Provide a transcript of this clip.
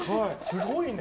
すごいね。